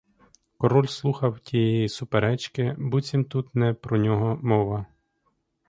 Король слухав тієї суперечки, буцім тут не про нього мова.